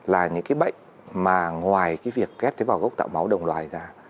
là những cái bệnh mà ngoài cái việc ghép tế bào gốc tạo máu đồng loài ra